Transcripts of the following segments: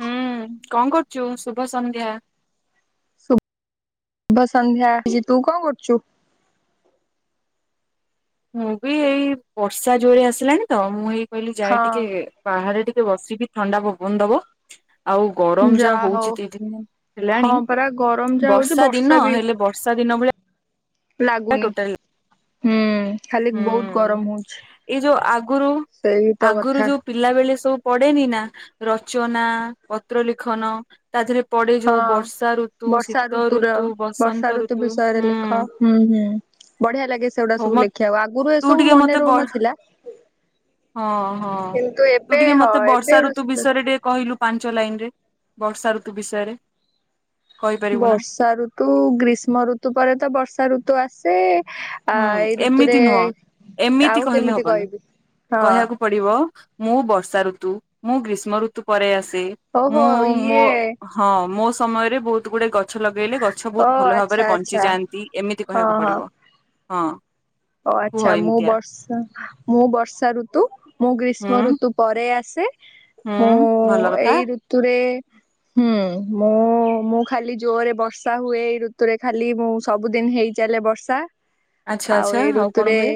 ହୁଁ କଣ କରୁଛୁ ଶୁଭ ସନ୍ଧ୍ୟା। ଶୁଭ ସନ୍ଧ୍ୟା ଆଚ୍ଛା ତୁ କଣ କରୁଛୁ? ମୁଁ ବି ଏଇ ବର୍ଷା ଜୋରେ ଆସିଲାନି ତ ମୁଁ ହେଇ କହିଲି ଯାଏ ହଁ ଟିକେ। ବାହାରେ ଟିକେ ବସିକି ଥଣ୍ଡା ପବନ ଦବ। ଆଉ ଗରମ ଯାହା ହଉଛି ଦୁ ଦିନ ହଁ ହେଲାଣି ପରା ଗରମ ଯାହା ହଉଛି ବର୍ଷା ଦିନ ବି ହେଲେ ବର୍ଷ ସରି ନମିଳା। ଲାଗୁନି। ହୁଁ ଖାଲି ହୁଁ ବହୁତ ଗରମ ହଉଛି ଏଇ ଯୋଉ ଆଗରୁ ସେଇ ତ ଆଗରୁ କଥା। ଯୋଉ ପିଲା ବେଳେ ସବୁ ପଢଡେନି ନା ରଚନା ପତ୍ର ଲିଖନ। ତା ଦେହରେ ପଡେ ଯୋଉ ହଁ। ବର୍ଷା ଋତୁ ବର୍ଷା ଶୀତ ଋତୁର ଋତୁ ବର୍ଷା ବସନ୍ତ ଋତୁ ବିଷୟରେ ହୁଁ। ଲେଖ ହୁଁ ହୁଁ ବଢିଆ ଲାଗେ ସେଗୁଡା ହଉ ସବୁ ମ ଲେଖିବାକୁ ଆଗରୁ ତୁ ଏସବୁ ଟିକେ ମନେ ମତେ ବର୍ ରହୁନଥିଲା। ହଁ ହଁ କିନ୍ତୁ ଏବେ ହଁ ଏବେ। ଟେ କହିଲୁ ପାଞ୍ଚ ଲାଇନ ରେ ବର୍ଷା ଋତୁ ବିଷୟରେ। କହିପାରିବୁ ନା ବର୍ଷା ଋତୁ ଗ୍ରୀଷ୍ମ ଋତୁ ପରେ ତ ବର୍ଷା ଋତୁ ଆସେ। ଆ ହୁଁ ଏଇ ଋତୁରେ ଏମିତି ନୁହଁ ଆଉ ଏମିତି କହିଲେ କେମିତି ହବନି କହିବି ହଁ। କହିବାକୁ ପଡିବ ମୁଁ ବର୍ଷାଋତୁ ମୁଁ ଗ୍ରୀଷ୍ମଋତୁ ପରେ ଆସେ। ଓହୋ ମୁଁ ଇଏ ମୁଁ ହଁ ମୋ ସମୟରେ ବହୁତ ଗୁଡେ ଗ ଗଛ ଲଗେଇଲେ ଗଛ ଓ ବହୁତ ଭଲ ଆଚ୍ଛା ଭାବରେ ବଞ୍ଚି ଆଚ୍ଛା ଯାଆନ୍ତି ଏମିତି ହଁ କହିବାକୁ ହଁ ପଡିବ ହଁ। ଓ କୁହ ଆଚ୍ଛା ମୁଁ ଏମିତିଆ ବର୍ଷା ମୁଁ ବର୍ଷାଋତୁ ମୁଁ ହୁଁ ଗ୍ରୀଷ୍ମଋତୁ ପରେ ଆସେ ମୁଁ ହୁଁ ଭଲ କଥା ଏଇ ଋତୁରେ ହୁଁ ମୁଁ ମୁଁ ଖାଲି ଜୋରେ ବର୍ଷା ହୁଏ ଏଇ ଋତୁରେ ଖାଲି ମୁଁ ସବୁଦିନି ହେଇ ଚାଲେ ବର୍ଷା ଆଚ୍ଛା ଆଉ ଆଚ୍ଛା ଏଇ କଣ ଋତୁରେ ହୁଏ?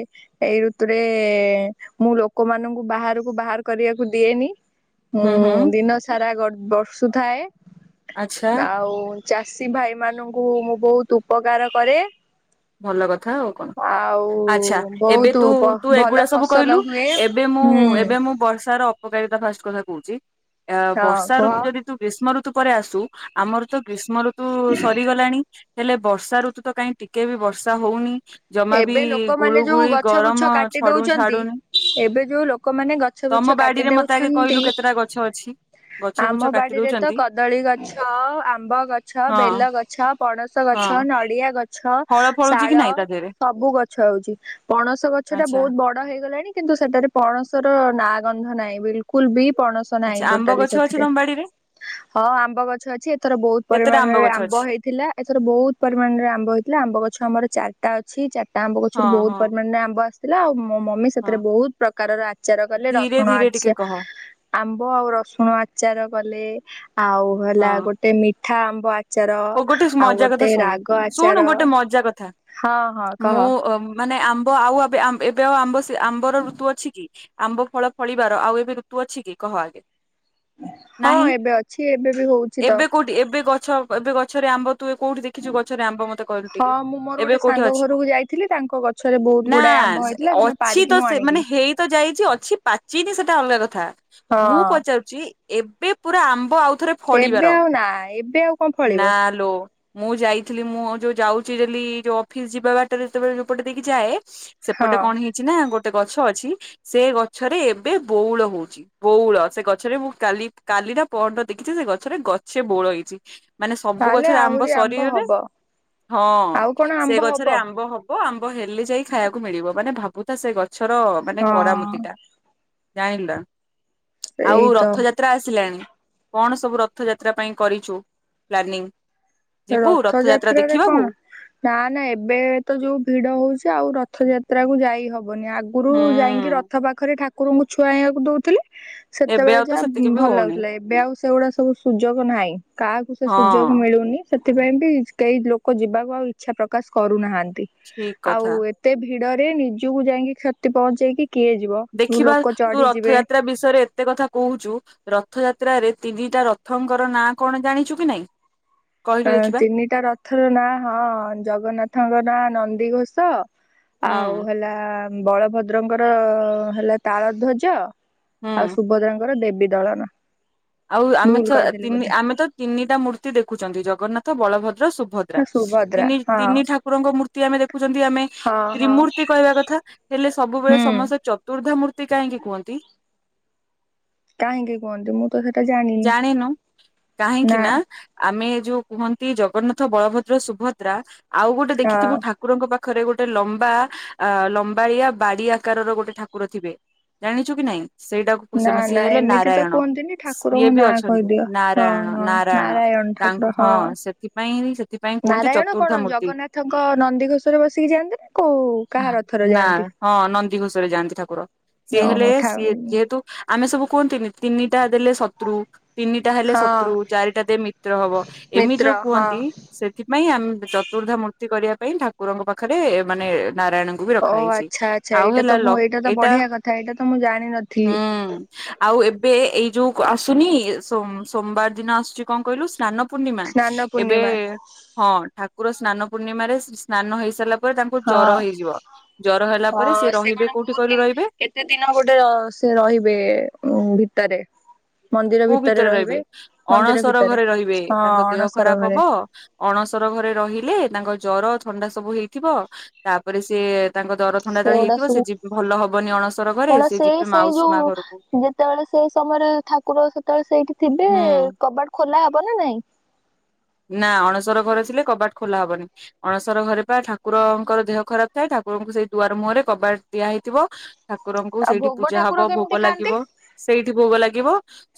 ଏଇ ଋତୁରେ ମୁଁ ଲୋକମାନଙ୍କୁ ବାହାରକୁ ବାହାର କରିବାକୁ ଦିଏନି। ମୁଁ ହୁଁ ହୁଁ ଦିନ ସାରା ଗ ବର୍ଷୁଥାଏ। ଆଚ୍ଛା ଆଉ ଚାଷୀ ଭାଇମାନଙ୍କୁ ମୁଁ ବହୁତ୍ ଉପକାର କରେ। ଭଲ କଥା ଆଉ। ଆଉ ଆଛା ଏବେ ବହୁତ ତୁ ପ ତୁ ଭଲ ଏଗୁଡା ସବୁ ଫସଲ କହିଲୁ ହୁଏ। ଏବେ ମୁଁ ହୁଁ ଏବେ ମୁଁ ବର୍ଷାର ଉପକାରିତା ଫାଷ୍ଟ କଥା କହୁଛି ହଁ ବର୍ଷା କୁହ ଋତୁ ଯଦି ତୁ ଗ୍ରୀଷ୍ମ ଋତୁ ପରେ ଆସୁ ଆମର ତ ଗ୍ରୀଷ୍ମ ଋତୁ ସରିଗଲାଣି। ହେଲେ ବର୍ଷା ଋତୁ ତ କାହିଁ ଟିକେ ବି ବର୍ଷା ହଉନି। ଜମା ବି ଏବେ ଗୁଳୁ ଲୋକମାନୋନ ଯୋଉ ଗୁଳି ଗଛ ଗରମ ବୁଛ କାଟି ଛଡୁ ଦଉଛନ୍ତି। ଛାଡୁନି। ଏବେ ଯୋଉ ଲୋକମାନେ ଗଛ ତମ ବୃଛ କାଟି ବାଡିରେ ମତେ ଆଗେ ଦଉଛନ୍ତି। କହିଲୁ କେତେଟା ଗଛ ଅଛି? ଗଛ ବୁଛ ଆମ କାଟି ବାଡିରେ ତ ଦଉଛନ୍ତି କଦଳୀଗଛ ଆମ୍ବଗଛ ହଁ ବେଲଗଛ। ହଁ ପଣସଗଛ ନଡ଼ିଆଗଛ ଫଳ ଫଳୁଛି କି ଶାଳ। ନାଇଁ ତା ଦେହରେ? ସବୁ ଗଛ ହୋଉଛି ପଣସ ଗଛଟା ଆଚ୍ଛା ବହୁତ ବଡ ହେଇଗଲାଣି କିନ୍ତୁ ସେଠାରେ ପଣସର ନା ଗନ୍ଧ ନାହିଁ ବିଲକୁଲ ବି ପଣସ ଆଚ୍ଛା ନାହିଁ ଆମ୍ବ ଗଛ ଟୋଟାଲି ଅଛି ସେଥିରେ। ତମ ବାଡିରେ ହଁ ଆମ୍ବ ଗଛ ଅଛି ଏଥର ବହୁତ କେତେଟା ପରିମାଣରେ ଗଛ ଆମ୍ବ ଅଛି ହେଇଥିଲା। ଏଥର ବୋହୁତ୍ ପରିମାଣରେ ଆମ୍ବ ହେଇଥିଲା ଆମ୍ବ ଗଛ ଆମର ଚାରିଟା ଅ ଛି ଚାର୍ଟା ଆମ୍ବ ହଁ ଗଛରୁ ବହୁତ ହଁ ପରିମାଣରେ ଆମ୍ବ ଆ ଥିଲା ଆଉ ମୋ ମମି ହଁ। ସେଥିରେ ବହୁତ୍ ପ୍ରକାରର ଆଚାର କଲେ ଧୀରେ ରସୁଣ ଧୀରେ ଟିକେ ଆଚା କହ ହଁ ଆମ୍ବ ଆଉ ରସୁଣ ଆଚାର କଲେ ଆଉ ହେଲା ଗୋଟେ ମିଠା ଆମ୍ବ ଆ ହୋଉ ଗୋଟେ ମଜା କଥା ଶୁଣୁ ଆଚାର ଶୁଣୁ ଗୋଟେ ମଜା କଥା। ହଁ ହଁ କହ ମୁଁ ମାନେ ଆମ୍ବ ଆଉ ଏବେ ଏବେ ଆଉ ଆମ୍ବ ସେ ଆମ୍ବର ଋତୁ ଅଛି କି? ଆମ୍ବ ଫଳ ଫଳିବାର ଆଉ ଏବେ ଋତୁ ଅଛି କି କହ ଆଗେ? ହଁ ନାହିଁ ଏବେ ଅଛି ଏବେ ବି ହଉଛି ତ ଏବେ କୋଉଠି ଏବେ ଗଛ ଏବେ ଗଛରେ ଆମ୍ବ ତୁ ଏ କୋଉଠି ଦେଖିଛୁ ଗଛରେ ଆମ୍ବ ମତେ କହିଲୁ ହଁ ଟିକେ ମୁଁ ମୋର ଗୋଟେ ଏବେ କୋଉଠି ସାଙ୍ଗ ଅଛି? ଘରକୁ ଯାଇଥିଲି ତାଙ୍କ ଗଛରେ ବହୁତ ନା ଗୁଡାଏ ଆମ୍ବ ହେଇଥିଲା ସେଦିନ ଅଛି ପାରିକି ତ ମୁଁ ସେ ଆଣିଲି ମାନେ ହେଇ ତ ଯାଇଛି ଅଛି ପାଚିନି ସେଟା ଅଲ୍ଗା କଥା। ମୁଁ ହଁ। ପଚାରୁଚି ଏବେ ପୁରା ଆମ୍ବ ଆଉଥରେ ଫଳିବାର ଏବେ ଆଉ ନା ଏବେ ଆଉ କଣ ଫଳିବ ନା ଲୋ। ମୁଁ ଯାଇଥିଲି ମୁଁ ଯୋଉ ଯାଉଛି ଡେଲି ଯୋଉ ଅଫିସ୍ ଯିବା ବାଟରେ ଯେତେବେଳେ ଯୋଉପଟେ ଦେଇକି ଯାଏ ହଁ ସେପଟେ କଣ ହେଇଛି ନା ଗୋଟେ ଗଛ ଅଛି ସେ ଗଛରେ ଏବେ ବୋଉଳ ହୋଉଚି। ବୋଉଳ ସେ ଗଛରେ ମୁଁ କାଲି କାଲି ନା ପହରଦିନ ଦେଖିଥିଲି ସେ ଗଛରେ ଗଛେ ବୋଉଳ ହେଇଚି। ମାନେ ସବୁ ତାହେଲେ ଗଛରେ ଆମ୍ବ ଆହୁରି ସରିଗଲେ ହବ। ହଁ ଆଉ କଣ ଆମ୍ବ ସେ ଗଛରେ ହବ ଆମ୍ବ ହ ବ ଆମ୍ବ ହେଲେ ଯାଇ ଖାଇବାକୁ ମିଳିବ ମାନେ ଭାବୁଥା ସେ ଗଛର ମାନେ କଡାମୁଦି ହଁ ଟା। ଯାଣିଲୁ ନା ସେଇ ଆଉ ତ ରଥଯା ତ୍ରା ଆସିଲାଣି କଣ ସବୁ ରଥଯାତ୍ରା ପାଇଁ କରିଛୁ? ପ୍ଲାନିଂ। ଯିବୁ ରଥଯାତ୍ରା ରଥଯାତ୍ରାରେ ଦେଖିବାକୁ? କଣ ନା ନା ଏବେ ତ ଯୋଉ ଭିଡ ହୋଉଛି ଆଉ ରଥଯାତ୍ରା କୁ ଯାଇ ହବନି ଆଗ୍ ଗରୁ ଯାଇଁକି ହୁଁ ରଥ ପାଖରେ ଠାକୁରଙ୍କୁ ଛୁଆଇବାକୁ ଦୋଉଥିଲେ। ଏବେ ସେତେବେଳେ ଆଉ ତ ଯାହା ସେତିକି ବି ଭଲ ହଉନି ଲାଗୁଥିଲା ଏବେ ଆଉ ସେଗୁଡା ସବୁ ସୁଯୋଗ ନାହିଁ କାହାକୁ ସେ ହଁ ସୁଯୋଗ ମିଳୁନି। ସେଥିପାଇଁ ବି କେହି ଲୋକ ଯିବାକୁ ଆଉ ଇଚ୍ଛା ପ୍ରକାଶ୍ କରୁନାହାନ୍ତି ଠିକ ଆଉ କଥା ଏ ତେ ଭିଡରେ ନିଜୁକୁ ଯାଇଁକି କ୍ଷତି ପହଞ୍ଚେଇକି କିଏ ଯିବ? ଦେଖିବା ଲୋକ ତୁ ଚଢିଯିବେ ରଥଯାତ୍ରା ବିଷୟରେ ଏତେ କଥା କୋହୁଛୁ ରଥଯାତ୍ରାରେ ତିନିଟା ରଥଙ୍କର ନାଁ କଣ ଜାଣିଛୁ କି ନାଇଁ? କହିଲୁ ଦେଖିବା ଅଁତିନିଟା ରଥର ନାଁ, ହଁ ଜଗନ୍ନାଥଙ୍କ ନାଁ ନନ୍ଦିଘୋଷ। ହୁଁ ଆଉ ହେଲା ବଳଭଦ୍ରଙ୍କର ହେଲା ତାଳ ଧ୍ୱଜ। ଆଉ ହୁଁ ସୁଭଦ୍ରାଙ୍କର ଦେବୀଦଳନ। ଆଉ ଆମେ ଛ ତିନି ଆମେତ ତିନିଟା ମୂର୍ତ୍ତି ଦେଖୁଚନ୍ତି ଜଗନ୍ନାଥ ବଳଭଦ୍ର ସୁ ଭଦ୍ରା ନା ସୁଭଦ୍ରା ତିନି ହଁ ତିନି ଠାକୁରଙ୍କ ମୂର୍ତ୍ତି ଆମେ ଦେଖୁଛନ୍ତି ଆମେ ହଁ ହଁ ତ୍ରିମୂର୍ତ୍ତି କହିବା କଥା ହେଲେ ସବୁବେଳେ ହୁଁ ସମସ୍ତେ ଚତୁର୍ଧା ମୂର୍ତ୍ତି କାହିଁକି କୁହନ୍ତି? କାହିଁକି କୁହନ୍ତି ମୁଁ ତ ସେଟା ଜାଣି ଜାଣିନୁ କାହିଁକିନା ଆମେ ଯୋଉ କୁହନ୍ତି ଜଗନ୍ନାଥ ବଳଭଦ୍ର ସୁଭଦ୍ରା ଆଉ ଗୋଟେ ହଁ ଦେଖିଥିବୁ ଠା ଠାକୁରଙ୍କ ପାଖରେ ଗୋଟେ ଲମ୍ବା ଅ ଲମ୍ବାଳିଆ ବାଡି ଆକାରର ଗୋଟେ ଠାକୁର ଥିବେ। ଜାଣିଛୁ କି ନାଇଁ ସେଇଟାକୁ ନା ସେ ନା ସିଏ ହେଲେ ଏମିତି ତ ନାରାୟଣ। କୁହନ୍ତିନି ଠାକୁରଙ୍କ ସିଏ ବି ନାଁ ଅଛନ୍ତି କହିଦିଅ ହଁ ନାରାୟଣ ହଁ ନାରାୟଣ ଠାକୁର ତାଙ୍କ ହଁ ସେଥିପାଇଁ ସେ ନାରାୟଣ କଣ ଜଗନ୍ନାଥଙ୍କ ନନ୍ଦିଘୋଷ ରେ ବସିକି ଯାଆନ୍ତି ନାଁ କୋଉ କାହା ରଥରେ ନା ଥାଆନ୍ତି? ହଁ ନନ୍ଦୀଘୋଷରେ ଯାଆନ୍ତି ଠାକୁର ସିଏ ହେଲେ ଓହୋ ଠା ସିଏ ଯେହେତୁ ଉଁ ଆମେ ସବୁ କୁହନ୍ତି ନଟା ଦେଲେ ଶତୁ ତିିନି ଟା ହେଲେ ହଁ ଶତ୍ରୁ ଚାରିଟା ଦେ ମିତ୍ର ହବ। ମିତ୍ର ହଁ। ସେଥିପାଇଁ ଆ ଚତୁର୍ଦ୍ଧା ମୂର୍ତ୍ତୀ କରିବା ପାଇଁ ଠାକୁରଙ୍କ ପାଖରେ ମାନେ ନାରାୟଣ କୁ ବି ଓ ରଖାହେଇଚି ଆଚ୍ଛା ଆଚ୍ଛା ଆଉ ଏଇଟା ତ ହେଲା ମୁଁ ଏଇଟା ତ ଏଟା ବଢିଆ କଥା ଏଇଟା ତ ମୁଁ ଜାଣିନଥିଲି। ହୁଁ। ଆଉ ଏବେ ଏଇ ଯୋଉ ଆସୁନି ସୋମ ସୋମବାର ଦିନ ଆସୁଚି କଣ କହିଲୁ ସ୍ନାନ ପୂର୍ଣ୍ଣିମା ସ୍ନାନ ଏବେ ପୂର୍ଣ୍ଣିମା ହଁ ଠାକୁର ସ୍ନାନ ପୂର୍ଣ୍ଣିମା ରେ ସ୍ନାନ ହେଇସାରି ତାଙ୍କୁ ହଁ ଜର ହେଇଯିବ ଜର ହେଲାପରେ ସିଏ ହଁ କଣ ରହିବେ କୋଉଠି ବହୁତ କହିଲୁ ଦିନ ରହିବେ? କେତେ ସେ ଦିନ ଗୋଟେ ସେ ରହିବେ ଉ ଭିତରେ କୋଉ ଭିତରେ ରହିବେ? ମନ୍ଦିର ଅଣସର ଭିତରେ ଘରେ ରହିବେ ହଁ ତାଙ୍କ ଦେହ ଅଣସର ଖରାପ ଘରେ ହବ ଅଣସର ଘରେ ରହିଲେ ତାଙ୍କ ଜର ଥଣ୍ଡା ସବୁ ହେଇଥିବ। ତାପରେ ସିଏ ତାଙ୍କ ଥଣ୍ଡା ଯେତେ ବେଳେ ସେଗୁଡା ସବୁ ହେଇଥିବ ଭଲ ହବନି ଅଣସର ଘରେ ସେ ଯିବେ ମାଉସୀ ମା ଘରକୁ। ସେତେବେଳେ ସେ ସମୟରେ ଠାକୁର ସେତେବେଳେ ସେଇଠି ଥିବେ ହୁଁ କବାଟ ଖୋଲା ହବ ନା ନାହିଁ? ନା ଅଣସର ଘର ଥିଲେ କବାଟ ଖୋଲା ହବନି। ଅଣସର ଘରେ ପା ଠାକୁରଙ୍କର ଦେହ ଖରାପ ଥାଏ ଠାକୁରଙ୍କୁ ସେଇ ଦୁଆର ମୁହଁରେ କବାଟ ଦିଆହଇଥିବ ଠାକୁରଙ୍କୁ ଆଉ ସେଇଠି ଭୋଗ ପୂଜା ହବ ଠାକୁର ଭୋଗ କେମିତି ଲାଗିବ ଖାଆନ୍ତି? ସେଇଠି ଭୋଗ ଲାଗିବ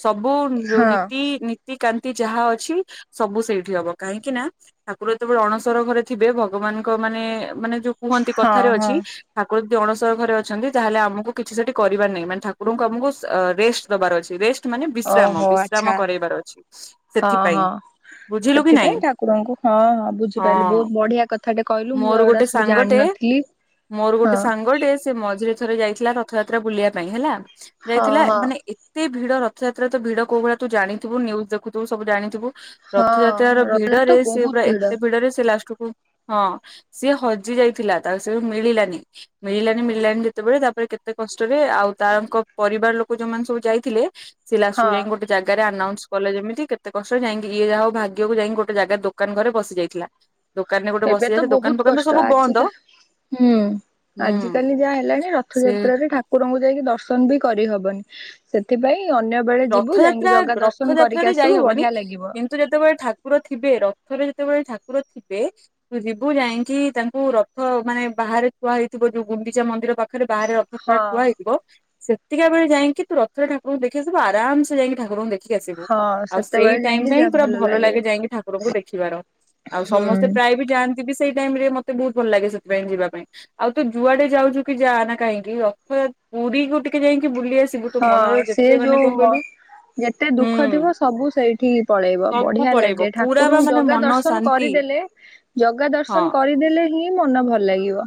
ସବୁ ଯୋଉ ହଁ ନୀତି ନୀତି କାନ୍ତି ଯାହା ଅଛି ସବୁ ସେଇଠି ହବ। କାହିଁକିନା ଠାକୁର ଯେତେବେଳେ ଅଣସର ଘରେ ଥିବେ ଭାଗବାନଙ୍କ ମାନେ ମାନେ ଯୋଉ କୁହନ୍ତି ହଁ କଥାରେ ଅଛି ହଁ ଠାକୁର ଯଦି ଅଣସର ଘରେ ଅଛନ୍ତି ତାହେଲେ ଆମକୁ କିଛି ସେଠୀ କରିବା ନାହିଁ ମାନେ ଠାକୁରଙ୍କୁ ଆମକୁ ରେଷ୍ଟ ଦବାର ଅଛି ରେଷ୍ଟ୍ ମାନେ ବିଶ୍ରାମ ଓହୋ ଆଚ୍ଛା ବିଶ୍ରାମ କରାଇବାର ଅଛି ହଁ ସେଥିପାଇଁ ହଁ। ବୁଝିଲୁ କି ନାଇଁ? ସେଥିପାଇଁ ଠାକୁରଙ୍କୁ ହଁ ହଁ ବୁଝିପାରିଲି ବହୁତ ବଢିଆ କ ଥାଟେ କହିଲୁ ମୁଁ ମୋର ଏଇ ଗୁଡା ଗୋଟେ ସବୁ ସାଙ୍ଗଟେ ଜାଣିନଥିଲି। ମୋର ଗୋଟେ ହଁ ସାଙ୍ଗଟେ ସେ ମଝିରେ ଥରେ ଯାଇଥିଲା ରଥଯାତ୍ରା ବୁଲିବା ପାଇଁ ହେଲା ହଁ ଯାଇଥିଲା ହଁ ମାନେ ଏ ତେ ଭିଡ଼ ରଥ ଯାତ୍ରା ଭିଡ଼ କୋଉ ଭଳିଆ ତୁ ଜାଣିଥିବୁ ନିଉଜ ଦେଖୁଥିବୁ ସବୁ ଜାଣିଥିବୁ ହଁ ରଥଯାତ୍ରାର ରଥଯାତ୍ରା ଭିଡରେ ତ ସେ ବହୁତ ପୁରା ଭିଡ ଏତେ ଭିଡରେ ସେ ଲାଷ୍ଟକୁୁ ହଁ ସିଏ ହଜି ଯାଇଥିଲା ତାକୁ ସେ ମିଳିଲାନି। ମିଳିଲାନି ମିଳିଲାନି ଯେତେବେଳେ ତାପରେ କେତେ କଷ୍ଟରେ ଆଉ ତାଙ୍କ ପରିବାର ଲୋକ ଯୋଉ ମାନେ ସବୁ ଯାଇଥିଲେ ସେ ଲାଷ୍ଟ ହଁ କୁ ଯାଇ ଗୋଟେ ଜାଗାରେ ଆନାଉନ୍ସ କଲେ ଯେମିତି କେତେ କଷ୍ଟ ଯାଇକି ଇ ଯାହା ହଉ ଭାଗ୍ୟକୁ ଯାଇକି ଗୋଟେ ଜାଗା ଦୋକାନ ଘରେ ପଶି ଯାଇଥିଲା। ଦୋକାନରେ ଗୋଟେ ବସ୍ ଏବେ ତ ବହୁତ କଷ୍ଟ। ଆଜିକା ହୁଁ ହୁଁ। ଆଜିକାଲି ଯାହା ହେଲାଣି ସେ ରଥଯାତ୍ରାରେ ଠାକୁରଙ୍କୁ ଯାଇକି ଦର୍ଶନ ବି କରିହବନି। ସେଥିପାଇଁ ଅନ୍ୟ ବେଳେ ଯିବୁ ଯାଇକି ରଥଯାତ୍ରା ଜଗା ଦର୍ଶନ କରିକି ଆସିବୁ ବଢିଆ ଲାଗିବ। ତୁ ଯେତେବେଳେ ଠାକୁର ଥିବେ ରଥରେ ଯେତେବେଳେ ଠାକୁର ଥିବେ ତୁ ଯିବୁ ଯାଇକି ତାଙ୍କୁ ରଥ ମାନେ ବାହାରେ ଥୁଆ ହେଇଥିବ ଯୋଉ ଗୁଣ୍ଡିଚା ମନ୍ଦିର ପାଖ ପାଖରେ ବାହାରେ ହଁ ରଥା ଥୁଆ ହେଇଥିବ ସେତିକା ବେଳେ ଯାଇକି ତୁ ରଥ ଠାକୁଙ୍କୁ ଦେଖ ଆସିବୁ ଆରାମ ସେ ଯାଇକି ଠାକୁରଙ୍କୁ ଦେ ଦେଖି ଆସିବୁ ହଁ ଆଉ ସେଇ ସେତେବେଳେ ଟାଇମ ଯାଇକି ଟା ହିଁ ଯାହା ପୁରା ଭଲ ଲାଗିବ। ଲାଗେ ଯାଇକି ଠାକୁରଙ୍କୁ ଦେଖିବାର। ଆଉ ହୁଁ ସମସ୍ତେ ପ୍ରାୟ ବି ଯାଆନ୍ତି ବି ସେଇ ଟାଇମରେ ମତେ ବହୁତ ଭଲ ଲାଗେ ସେଥିପାଇଁ ଯିବା ପାଇଁ। ଆଉ ତ ଯୁଆଡେ ଯାଉଛୁ କି ଯା ନା କାହିଁକି ରଥାଯା ପୁରୀକୁ ଟିକେ ଯାଇକି ବୁଲି ଆସ ତୁ ମନର ହଁ ଯେ ସେ ଯୋଉ ମ ଯେତେ ଦୁଃଖ ଥିବ ହୁଁ ସବୁ ସେଇଠିି ପଳେଇବ। ସବୁ ବଢିଆ ପଳେଇବ ଲାଗେ ପୁରା ବା ଠାକୁରଙ୍କୁ ମାନେ ଜଗା ମନ ଦର୍ଶନ ଶାନ୍ତି କରିଦେଲେ ଜଗା ହଁ ଦର୍ଶନ କରିଦେଲେ ହିଁ ମନ ଭଲ ଲାଗିବ।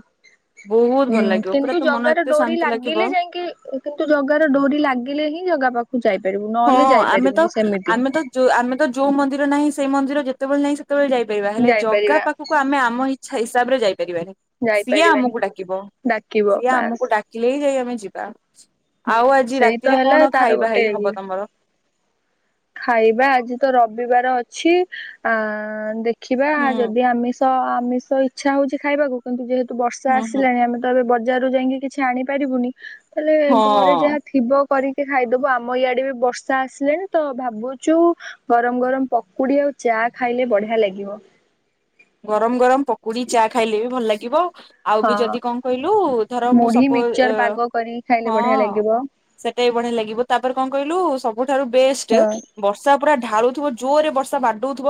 ବହୁତ ହୁଁ ଭଲ ଲାଗିବ ପୁରା କିନ୍ତୁ ତ ମନ ଜଗାର ଏତେ ଡୋରି ଶାନ୍ତି ଲାଗିବ ଲାଗିଲେ ଯାଇକି କିନ୍ତୁ ଜଗାର ଡୋରି ଲାଗିଲେ ହିଁ ଜଗା ପାଖକୁ ଯାଇପାରିବୁ ନହେଲେ ଯାଇପାରିବୁନି ସେମିତି। ଯଉ ଆମେ ତ ଯୋଉ ମନ୍ଦିର ନାହିଁ ସେଇ ମନ୍ଦିର ଯେତେବେଳେ ନାହିଁ ସେ ତେବେଳେ ଯାଇପାରିବା ହେଲେ ଜାଗା ଯାଇପାରିବା ପାଖକୁ ଆମେ ଆମ ଇଚ୍ଛା ହିସାବରେ ଯାଇପାରିବାନି। ସିଏ ଯାଇପାରିବାନି ଆମକୁ ଡାକିବ। ଡାକିବ ବାସ। କିଲେ ହିଁ ଯାଇ ଆମେ ଯିବା। ଆଉ ଆଜି ସେଇ ତ ରାତିରେ ହେଲା କଣ ତାର ଖାଇବା ଗୋଟେ ହୋଇ ଇଏ। ହବ ତମର? ଖାଇବା ଆଜିତ ରବିବାର ଅଛି। ଆ ଦେଖିବା ହୁଁ ଯଦି ଆମିଷ ତ ଆମିଷ ଇଚ୍ଛା ହଉଛି ଖାଇବାକୁ କିନ୍ତୁ ଯେହେତୁ ବର୍ଷା ହୁଁ ହୁଁ ଆସିଲାଣି ଆମେ ତ ବଜାର ଯାଇକି କିଛି ଆଣିପାରିବୁନି। ତାହେଲେ ଘରେ ହଁ ଯାହା ଥିବ କରିକି ଖାଇଦବୁ। ଆମ ଇଆଡେ ବି ବର୍ଷା ଆସିଲାଣି। ତ ଭାବୁଛୁ ଗରମ ଗରମ ପକୁଡି ଆଉ ଚା ଖାଇଲେ ବଢିଆ ଲାଗିବ। ଗରମ ଗରମ ପକୁଡି, ଚା ଖାଇଲେ ବି ଭଲ ଲାଗିବ। ଆଉ ବି ହଁ ଯଦି କଣ କହିଲୁ ଧର ମୁଁ ମୁଢି ସପୋ ମିକ୍ସଚର ପାଗ କରିକି ଖାଇଲେ ବଢିଆ ହଁ ଲାଗିବ ସେଟା ବି ବଢିଆ ଲାଗିବ ତାପରେ କଣ କହିଲୁ ସବୁଠାରୁ ବେଷ୍ଟ ହଁ ବର୍ଷା ପୁରା ଢାଳୁଥିବ ଜୋରରେ ବର୍ଷା ବାଡଉଥିବ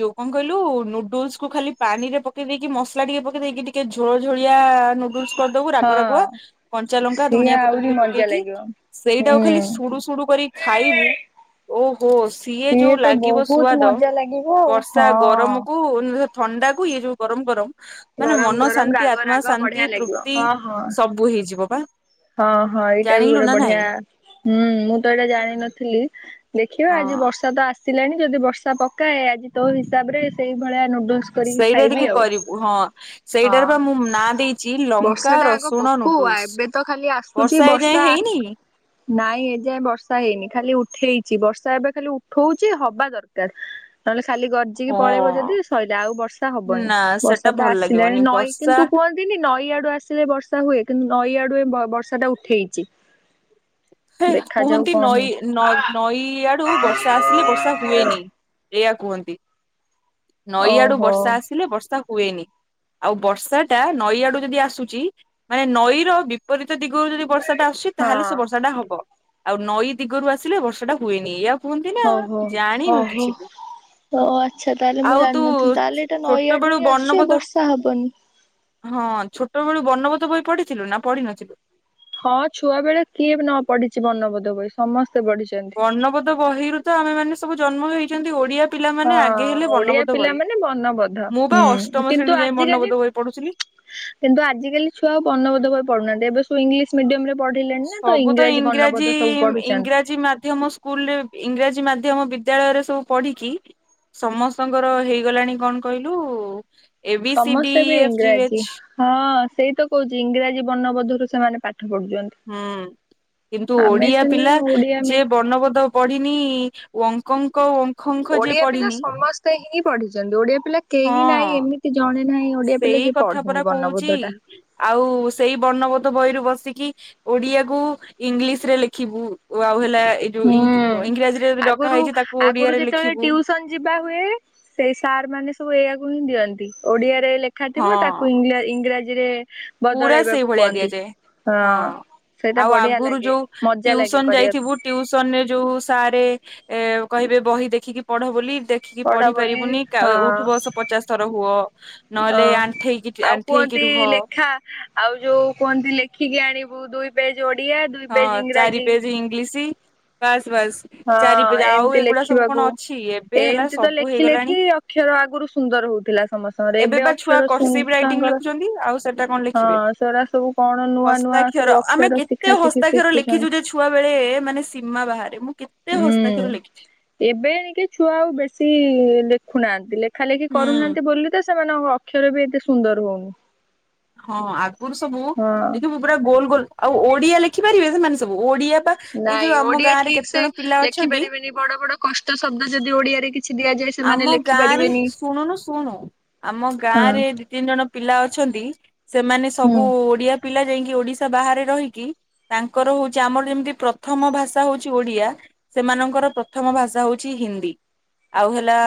ଯୋଉ କଣ କହିଲୁ ନୁଡଲ୍ସକୁୁ ଖାଲି ପାଣିରେ ପକେଇ ଦେଇକି ମସଲା ଟିକେ ପକେଇ ଦେଇକି ଟିକେ ଝୋଳଝଳିଆ ନୁଡୁଲସ। କରିଦବୁ ରାଗ ରାଗୁଆ ହଁ କଞ୍ଚା ଲଙ୍କା ସିଏ ଧନିଆ ପତ୍ର ଆହୁରି ଟିକେ ମଜା ପକେଇକି। ଲାଗିବ ସେଇଟାକୁ ଖାଲି ହୁଁ ସୁଡୁ ଶୁଡୁ କରି ଖାଇବୁ। ଓହୋ ସିଏ ଯୋଉ ତ ଲାଗିବ ବହୁତ ସୁଆଦ ମଜା ଲାଗିବ ଆଉ ବର୍ଷା ହଁ ଗରମକୁ। ଥଣ୍ଡାକୁ ଇଏ ଯୋଉ ଗରମ ଗରମ। ମାନେ ଗରମ ଗରମ ମନଶାନ୍ତି, ରାଗ ରାଗ ବଢିଆ ଆତ୍ମାଶାନ୍ତି, ଲାଗିବ। ତୃପ୍ତି ହଁ ହଁ ସବୁ ହେଇଯିବ ବା। ହଁ ହଁ ଏଇଟା ବି ଜାଣିଲୁ ଗୋଟେ ନା ବଢିଆ। ନାଇଁ ହୁଁ ମୁଁ ତ ଏଇଟା ଜାଣିନଥିଲି। ଦେଖିବା ଆଜି ହଁ। ବର୍ଷା ତ ଆସ ଆସିଲାଣି ଯଦି ବର୍ଷା ପକାଏ ଆଜି ତୋ ହିସାବରେ ସେଇଭଳିଆ ନୁଡୁଲ୍ସ। କରିକି ସେଇଟା ଖାଇବି ଟିକେ ଆଉ। କରିବୁ ହଁ ସେଇଟାରେ ହଁ ବା ମୁଁ ନାଁ ଦେଇଛି ଲଙ୍କା ବର୍ଷାଟା ଆଗ ରସୁଣ ପକଉ ନୁଡୁଲ୍ସ ଏବେ ତ ଖାଲି ଆସୁଛି ଏଯାଏଁ ବର୍ଷା। ହେଇନି? ନାଇଁ ଏଯାଏଁ ବର୍ଷା ହେଇନି ଖାଲି ଉଠେଇଛି ବର୍ଷା ଏବେ ଖାଲି ଉଠଉଛି ହବା ଦରକାର। ନହେଲେ ଖାଲି ଗର୍ଜିକି ପଳେଇବ ଯଦି ସରିଲେ ଆଉ ବର୍ଷା ହବନି ନା ସେଟା ବର୍ଷା ତ ଭଲ ଆସିଲାଣି ଲାଗିବନି ନଈ ବର୍ଷା କିନ୍ତୁ କୁ ନଈ ଆଡୁ ଆସିଲେ ବର୍ଷା ହୁଏ କିନ୍ତୁ ନଈ ଆଡୁ ଏ ବର୍ଷାଟା ଉଠେଇଛି ହେ ଦେଖାଯାଉ କୁହନ୍ତି କଣ ନଈ ହଉଛି ନ ନଈ ଆଡୁ ବର୍ଷା ଆସିଲେ ବର୍ଷା ହୁଏନି। ଏଇଆ କୁହନ୍ତି ନଈଆଡୁ ଓହୋ ବର୍ଷା ହଁ। ଆସିଲେ ବର୍ଷା ହୁଏନି। ଆଉ ବର୍ଷାଟା ନଈ ଆଡୁ ଯଦି ଆସୁଛି ମାନେ ନଈର ବିପରୀତ ଦିଗରୁ ଯଦି ବର୍ଷା ବର୍ଷାଟା ଆସୁଛି ତାହେଲେ ସେ ବର୍ଷାଟା ହବ ଆଉ ନଈ ଦିଗରୁ ଆସିଲ ବର୍ଷାଟା ହୁଏନି ଆଉ କୁହନ୍ତି ନା ଓହୋ ଜାଣିନୁ ଓହୋ। କିଛିବି ଓ ଆଚ୍ଛା ତାହେଲେ ମୁଁ ଜାଣିନଥିଲି ତାହେଲେ ଏଇଟା ନଈ ଛୋଟ ଆଡୁ ବେଳୁ ହିଁ ଆସୁଛି ଏ ବର୍ଣ୍ଣବୋଧ ବର୍ଷା ହବନି। ହଁ ଛୋଟ ବେଳୁ ବର୍ଣବୋଧ ବହି ପଢିଥିଲୁ ନା ପଢିନଥିଲୁ ହଁ ଛୁଆ ବେଳେ କିଏ ନ ପଢିଛି ବର୍ଣ୍ଣବୋଧ ବ ସମସ୍ତେ ପଢିଛନ୍ତି ବର୍ଣ୍ଣପଦ ବହିରୁ ତ ଆମେ ମାନେ ସବୁ ଜନ୍ମ ହେଇଛନ୍ତି ଓଡିଆ ହଁ ପିଲାମାନେ ଆଗେ ହେଲେ ଓଡିଆ ବର୍ଣ୍ଣବୋଧ ପିଲା ବହି। ମାନେ ବନବୋଦ୍ଧ ମୁଁ ବା ହୁଁ ଅଷ୍ଟମ ଶ୍ରେଣୀ କିନ୍ତୁ ଯାଏ ଆଜିିକାଲି ବର୍ଣ୍ଣବୋଧ ବହି ପଢୁଥିଲି। କିନ୍ତୁ ଆଜିକାଲି ଛୁଆ ପର୍ଣବୋଧ କରି ପଡୁନାହାନ୍ତି ଏବେ ୁ ଇଂଲିଶ ମିଡିୟମ ରେ ପଢିଲେଣି ନା ତ ଇଂରାଜୀ ବନବୋଧ ସବୁ ପଢୁଛନ୍ତି ମାମ ସ୍କୁଲ ରେ ଇଂରାଜୀ ମାଧ୍ୟମ ବିଦ୍ୟାଳୟରେ ସବୁ ପଢିକି ସମସ୍ତଙ୍କର ହେଇଗଲାଣି କଣ କହିଲୁ ଏ ବି ସି ଡି ସମସ୍ତେ ବି ଏଫ ଏଚ ଇଂରାଜୀ ହଁ ସେଇ ତ କହୁଛି ଇଂରାଜୀ ବର୍ଣ୍ଣବୋଧରୁ ସେମାନେ ପାଠ ପଢୁଛନ୍ତି ହୁଁ କିନ୍ତୁ ଆମେ ଓଡିଆ ସିନା ପିଲା ଓଡିଆ ମି ଯିଏ ବର୍ଣ୍ଣବୋଦ ପଡ଼ିନି ଓଙ୍କଙ୍କ ଓଖଙ୍କ ଯିଏ ଓଡିଆ ପିଲା ପଢିନି ସମସ୍ତେ ହିଁ ପଢିଛନ୍ତି ଓଡିଆ ପିଲା ହଁ କେହି ନାହିଁ ଏମିତି ଜଣେ ନାହିଁ ଓଡିଆ ପିଲ ସେଇ ଯଏ କଥା ପରା ପଢିନି କହୁଛି ବର୍ଣବଦ୍ଧ ଟା ଆଉ ସେଇ ବର୍ଣ୍ଣବୋଧ ବହିରୁ ବସିକି ଓଡିଆକୁ ଇଂଲିଶରେ ଲେଖିବୁ ଓ ଆଉ ହେଲା ଏଇ ଯୋଉ ହୁଁ ଇଂରାଜୀରେ ଯ ଡକାା ଆଗରୁ ହେଇଛି ତାକୁ ଆଗରୁ ଓଡିଆରେ ଯେତେବେଳେ ଲେଖିବୁ ଟିଉସନ ଯିବା ହୁଏ ସେଇ ସାର୍ ମାନେ ସବୁ ଏଇଆକୁ ହିଁ ଦିଅନ୍ତି ଓଡିଆରେ ଲେଖା ହଁ ଥିବ ତାକୁ ଇଂ ଇଂରାଜୀରେ ପୁରା ବଦଳେଇବାକୁ ସେଇଭଳିଆ କୁହନ୍ତି ଦିଆଯାଏ ହଁ ସେଇଟା ଆଉ ବଢିଆ ଲାଗେ ମଜା ଲାଗେ କରିବାକୁ ଟ୍ୟୁସନ ରେ ଯୋଉ ସାରେ କହିବେ ବହି ଦେଖିକି ପଢ ବୋଲି ଦେଖିକି ପଢ ପଢି ବୋଲି ପାରିବୁନି ହଁ ଉଠୁ ବସ ପଚାଶ ଥର ହୁଅ ନହେଲେ ହଁ ଆଉ ଆଣ୍ଠେଇକି ଆଣ୍ଠେଇକି କୁହନ୍ତି ରୁହ ହଁ ଲେଖା ଆଉ ଯୋଉ କୁହନ୍ତି ଲେଖିକି ଆଣିବୁ ଦୁଇ ପେଜ ଓଡ଼ିଆ ଦୁଇ ପେଜ ଇଙ୍ଗରାଜୀ। ଇଙ୍ଗଲିଶ୍। ବାସ୍ ବାସ୍। ହଁ ଚାରିପେଜ ଆଉ ଏମିତି ଏଗୁଡା ସବୁ ଲେଖିବାକୁ। କଣ ଅଛି ଏବେ ହେଲା ଏମିତି ତ ସବୁ ଲେଖି ହେଇଗଲାଣି। ଲେଖି ଅକ୍ଷର ଆଗରୁ ସୁନ୍ଦର ହଉଥିଲା ସମସ୍ତଙ୍କର ଏବେ ବା ଛୁଆ ଅକ୍ଷର ଶୁ କରସିବ ରାଇଟିଂ ଛୁଆଙ୍କର ଲେଖୁଛନ୍ତି ଆଉ। ସେଟା କଣ ଲେଖିବେ ହଁ ସେଗୁରା ସବୁ କଣ ନୂଆ ନୂଆ ହସ୍ତାକ୍ଷର ସବୁ ଆମେ ଅକ୍ଷର କେ ଶିଖା ଶିଖି ହସ୍ତାକ୍ଷର ଲେଖିଛୁ ଶିଖୁଛନ୍ତି। ଯେ ଛୁଆବେଳେ ମାନେ ସୀମା ବାହାରେ ମୁଁ କେତେ ହସ୍ତାକ୍ଷର ଲେଖିଛି। ଏବେଏଣିକି ଛୁଆ ଆଉ ବେଶୀ ଲେଖୁନାହାନ୍ତି ଲେଖାଲେଖି ହୁଁ। କରୁନାହାନ୍ତି। ଏତେ ବୋଲି ତ ସେମାନଙ୍କ ଅକ୍ଷର ବି ଏତେ ସୁନ୍ଦର ହଉନି। ହଁ ଆଗରୁ ସବୁ ହଁ। ଦେଖିବୁ ପୁରା ଗୋଲ ଗୋଲ ଆଉ ଓଡିଆ ଲେଖିପାରିବେ ସେମାନେ ସବୁ ଓଡିଆ ବା ଏଇ ନାଇଁ ଯୋଉ ଆମ ଓଡିଆ ଗାଁ ରେ ଠିକ କେତେ ସେ ଜଣ ପିଲା ଲେଖି ଅଛନ୍ତି। ପାରିବେନି ବଡ ବଡ କଷ୍ଟ ଶବ୍ଦ ଯଦି ଓଡିଆରେ କି ଦିଆଯାଏ। ସେମାନେ ଆମ ଲେଖି ଗାଁରେ ପାରିବେନି। ଶୁଣୁନୁ ଶୁଣୁ ଆମ ହଁ ଗାଁରେ ତିନି ଜଣ ପିଲା ଅଛନ୍ତି ସେମାନେ ହୁଁ। ସବୁ ଓଡିଆ ପିଲା ଯାଇକି ଓଡିଶା ବାହାରେ ରହିକି ତାଙ୍କର ହଉଛି ଆମର ଯେମିତି ପ୍ରଥମ ଭାଷା ହଉଛି ଓଡିଆ। ସେମାନଙ୍କର ପ୍ରଥମ ଭାଷା ହଉଛି ହିନ୍ଦୀ। ଆଉ ହେଲା